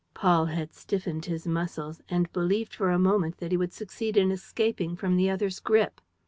Paul had stiffened his muscles and believed for a moment that he would succeed in escaping from the other's grip.